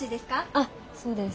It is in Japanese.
あそうです。